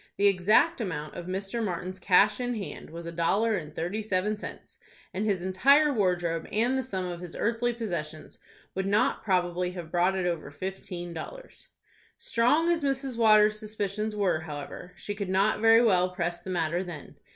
The exact amount of Mr. Martin's cash in hand was a dollar and thirty seven cents, and his entire wardrobe and the sum of his earthly possessions would not probably have brought over fifteen dollars. Strong as Mrs. Waters' suspicions were, however, she could not very well press the matter then.